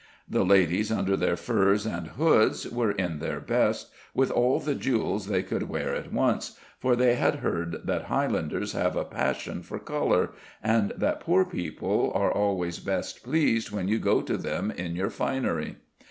The ladies, under their furs and hoods, were in their best, with all the jewels they could wear at once, for they had heard that highlanders have a passion for colour, and that poor people are always best pleased when you go to them in your finery.